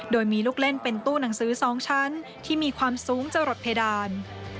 โดยมีลูกเล่นเป็นตู้หนังสือ๒ชั้นที่มีความสูงจะหลดเพดาน